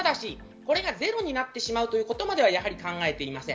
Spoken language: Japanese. ただし、これがゼロになってしまうというところまでは考えていません。